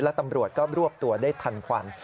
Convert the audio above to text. และตำรวจก็รวบตัวได้ทันควัน